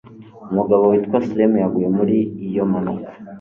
Umugabo witwa Slim yaguye muri iyo mpanuka